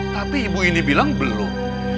tapi ibu ini bilang belum